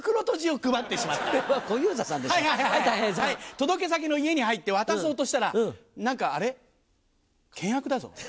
届け先の家に入って渡そうとしたら何かあれ？険悪だぞ？